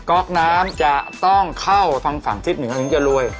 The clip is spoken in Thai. ๊อกน้ำจะต้องเข้าทางฝั่งทิศเหนือถึงจะรวย